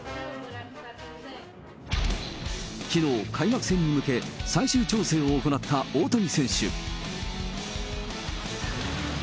きのう、開幕戦に向け、最終調整を行った大谷選手。